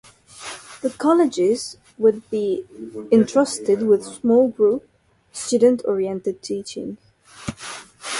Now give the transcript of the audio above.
The colleges would be entrusted with small group "student-oriented teaching".